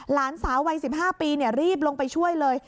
หลานสาววัย๑๕ปีรีบลงไปช่วยเลย